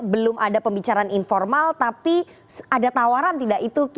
belum ada pembicaraan informal tapi ada tawaran tidak itu